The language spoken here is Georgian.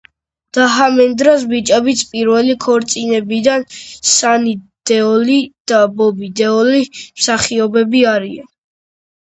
დჰარმენდრას ბიჭებიც პირველი ქორწინებიდან სანი დეოლი და ბობი დეოლი მსახიობები არიან.